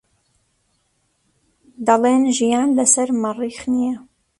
دەڵێن ژیان لەسەر مەریخ نییە.